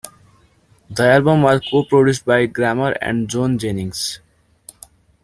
The album was co-produced by Grammer and John Jennings.